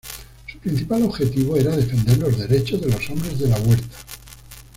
Su principal objetivo era "defender los derechos de los hombres de la huerta".